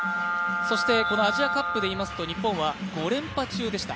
そしてこのアジアカップでいいますと、日本は５連覇中でした。